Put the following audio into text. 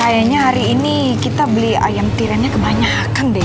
kayaknya hari ini kita beli ayam tirennya kebanyakan deh